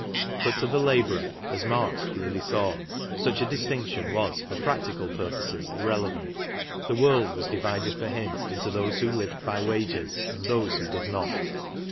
But to the labourer, as Marx clearly saw, such a distinction was for practical purposes irrelevant. The world was divided for him into those who lived by wages and those who did not.